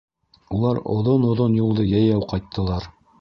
Улар оҙон-оҙон юлды йәйәү ҡайттылар.